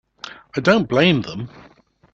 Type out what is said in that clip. I don't blame them.